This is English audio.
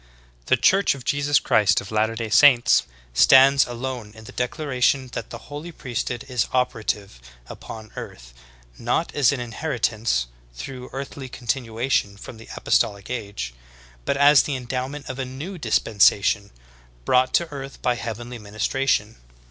The Church of Jesus Christ of Latter day Saints stands alone in the declaration that the Holy Priesthood is operative upon earth, not as an inheritance through earthly continuation from the apostolic age, but as the endowment of a new dis pensation, brought to earth by heavenly ministration.